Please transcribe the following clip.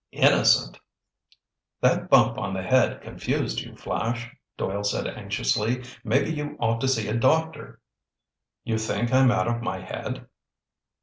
"Innocent!" "That bump on the head confused you, Flash," Doyle said anxiously. "Maybe you ought to see a doctor." "You think I'm out of my head?"